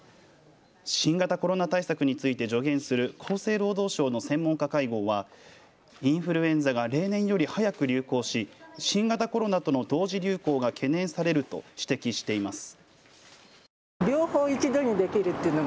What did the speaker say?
新型コロナ対策について助言する厚生労働省の専門家会合はインフルエンザが例年より早く流行し新型コロナとの同時流行が懸念されると指摘しています。